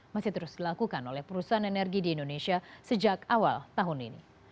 masih terus dilakukan oleh perusahaan energi di indonesia sejak awal tahun ini